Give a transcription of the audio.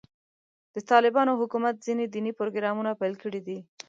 د طالبانو حکومت ځینې دیني پروګرامونه پیل کړي دي.